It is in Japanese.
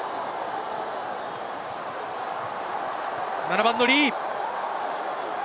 ７番のリー。